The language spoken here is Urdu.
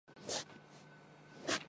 مغربی فریسیئن